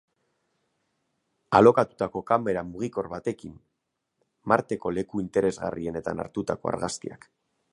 Alokatutako kamera mugikor batekin Marteko leku interesgarrienetan hartutako argazkiak.